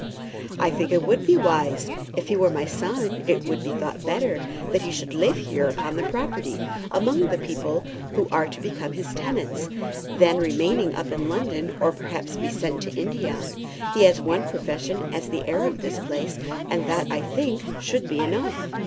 "I think it would be wise. If he were my son it would be thought better that he should live here upon the property, among the people who are to become his tenants, than remain up in London, or perhaps be sent to India. He has one profession as the heir of this place, and that, I think, should be enough."